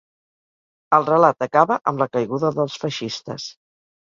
El relat acaba amb la caiguda dels feixistes.